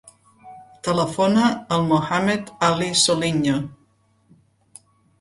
Telefona al Mohamed ali Soliño.